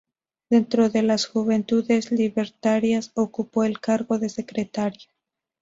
Dentro de las Juventudes Libertarias ocupó el cargo de secretaria.